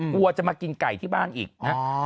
กลัวจะมากินไก่ที่บ้านอีกนะ